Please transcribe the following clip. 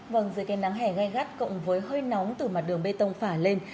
vâng dưới cái nắng hè gai gắt cộng với hơi nóng từ mặt đường bê tông phả lên